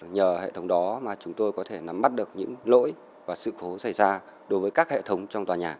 nhờ hệ thống đó mà chúng tôi có thể nắm bắt được những lỗi và sự cố xảy ra đối với các hệ thống trong tòa nhà